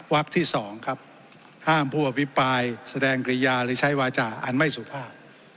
วักที่๒ครับห้ามผู้อภิปรายแสดงกริยาหรือใช้วาจาอันไม่สุภาพ